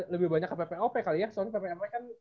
lebih banyak ke ppop kali ya soalnya ppop kan